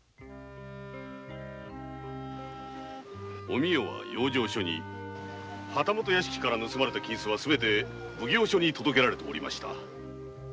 おみよは養生所に旗本屋敷から盗まれた金子は奉行所に届けられておりました。